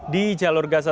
di jalur gaza